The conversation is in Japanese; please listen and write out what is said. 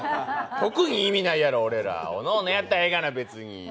特に意味ないやろ、俺らおのおのやったらええがな、別に。